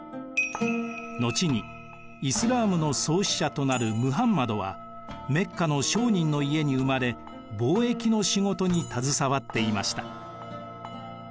後にイスラームの創始者となるムハンマドはメッカの商人の家に生まれ貿易の仕事に携わっていました。